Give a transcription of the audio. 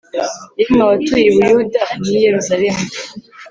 Yemwe abatuye i Buyuda n i Yerusalemu